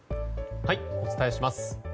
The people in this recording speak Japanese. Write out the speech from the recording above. お伝えします。